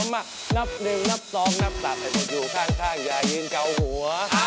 มานับหนึ่งนับสองนับสามให้มันอยู่ข้างยาหินเกาหัว